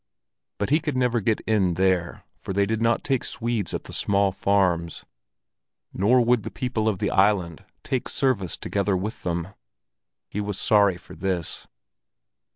But he could never get in there, for they did not take Swedes at the small farms, nor would the people of the island take service together with them. He was sorry for this.